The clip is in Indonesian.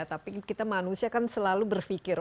tapi kita manusia kan selalu berpikir